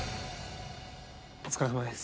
お疲れさまです。